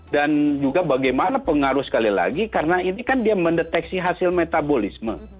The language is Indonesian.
dan juga bagaimana pengaruh sekali lagi karena ini kan dia mendeteksi hasil metabolisme